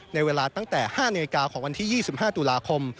ในเวลาตั้งแต่๕นาฬิกาของวันที่๒๕ตุลาคม